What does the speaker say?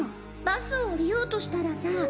バスを降りようとしたらさ。